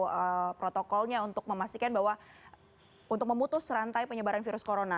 untuk protokolnya untuk memastikan bahwa untuk memutus rantai penyebaran virus corona